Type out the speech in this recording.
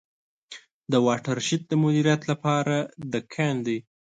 د واټر شید د مدیریت له پاره د کندي Trench.